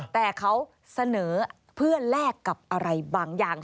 แต่เขาเสนอเพื่อแลกกับอะไรบางอย่าง